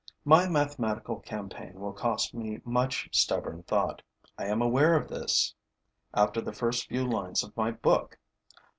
My mathematical campaign will cost me much stubborn thought: I am aware of this after the first few lines of my book.